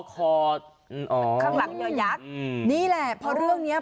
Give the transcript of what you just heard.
อ๋อขออ๋อข้างหลังเยอะยักษ์อืมนี่แหละเพราะเรื่องเนี้ย